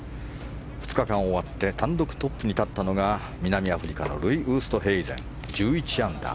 ２日間を終わって単独トップに立ったのが南アフリカのルイ・ウーストヘイゼン１１アンダー。